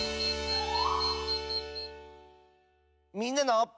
「みんなの」。